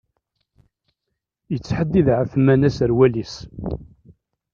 Yettḥeddid Ԑetman aserwal-is.